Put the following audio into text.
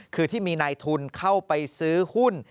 คือที่มีนายทุนเข้าไปซื้อหุ้น